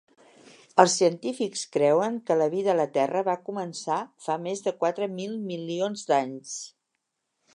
Els científics creuen que la vida a la terra va començar fa més de quatre mil milions d'anys.